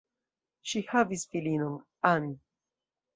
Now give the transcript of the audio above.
Ŝi havis filinon, Anne.